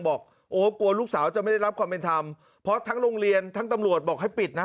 บอกโอ้กลัวลูกสาวจะไม่ได้รับความเป็นธรรมเพราะทั้งโรงเรียนทั้งตำรวจบอกให้ปิดนะ